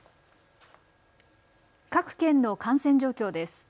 各県の感染状況です。